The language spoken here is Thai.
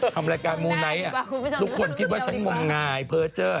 ทำรายการมูไนท์ทุกคนคิดว่าฉันงมงายเพอร์เจอร์